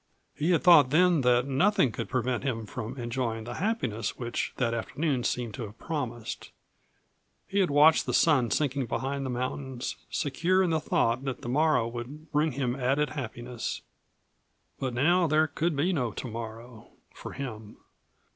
He had thought then that nothing could prevent him from enjoying the happiness which that afternoon seemed to have promised. He had watched the sun sinking behind the mountains, secure in the thought that the morrow would bring him added happiness. But now there could be no tomorrow for him.